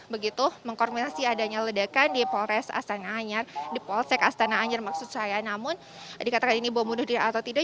begitu mengkormenasi adanya ledakan di polsek astana anyar maksud saya namun dikatakan ini bom bunuh diri atau tidak